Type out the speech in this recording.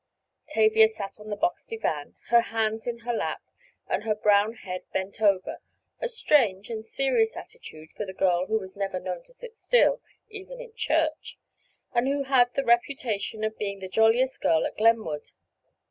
Tavia sat on the box divan, her hands in her lap, and her brown head bent over, a strange and serious attitude for the girl who was never known to sit still, even in church; and who had the reputation of being the jolliest girl at Glenwood.